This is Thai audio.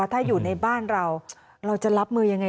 ถ้าอยู่ในบ้านเราเราจะรับมือยังไง